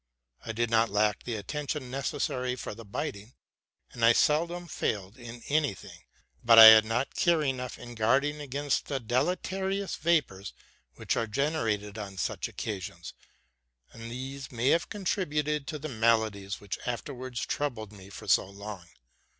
I did not lack the attention necessary for the biting, and I seldom failed in any thing; but I had not care enough in guarding against the deleterious vapors which are gener rated on such occasions, and these may have contributed to the maladies which afterwards troubled me for a long time.